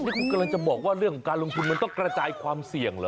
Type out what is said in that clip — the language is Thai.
นี่คุณกำลังจะบอกว่าเรื่องของการลงทุนมันต้องกระจายความเสี่ยงเหรอ